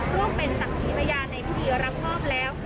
ร่วมเป็นศักดิ์ขีพยานในพิธีรับมอบแล้ว